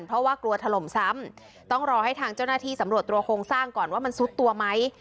เพราะว่ากลัวถล่มซ้ำต้องรอให้ทางเจ้าหน้าที่สำรวจตัวโครงสร้างก่อนว่ามันซุดตัวไหม